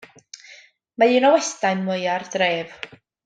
Mae'n un o westai mwya'r dref.